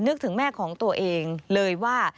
นึกถึงแม่ของตัวเองเลยว่า